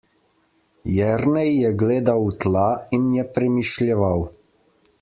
Jernej je gledal v tla in je premišljeval.